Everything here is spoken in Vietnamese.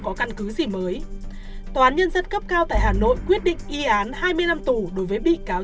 có căn cứ gì mới tòa án nhân dân cấp cao tại hà nội quyết định y án hai mươi năm tù đối với bị cáo